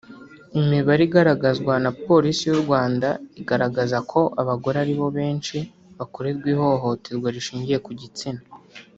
Imibare igaragazwa na Polisi y’u Rwanda igaragaza ko abagore ari bo benshi bakorerwa ihohoterwa rishingiye ku gitsina